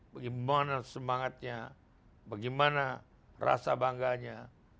bagaimana semangatnya bagaimana rasa bangganya